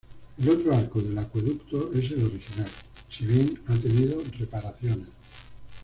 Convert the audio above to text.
El otro arco del acueducto es el original, si bien ha tenido reparaciones.